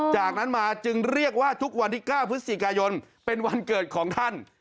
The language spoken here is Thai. จากนั้นมาจึงเรียกว่าทุกวันที่๙พฤศจิกายนเป็นวันเกิดของท่าน